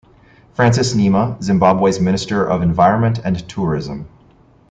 Francis Nhema, Zimbabwe's Minister of Environment and Tourism.